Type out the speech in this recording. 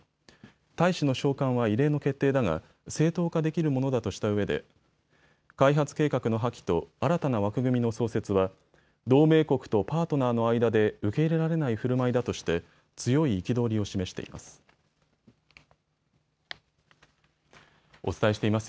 大使の召還は異例の決定だが、正当化できるものだとしたうえで開発計画の破棄と新たな枠組みの創設は同盟国とパートナーの間で受け入れられないふるまいだとして強い憤りを示しています。